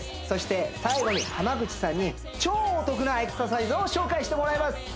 そして最後に浜口さんに超お得なエクササイズを紹介してもらいます